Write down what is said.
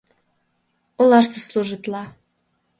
Олаште служитла.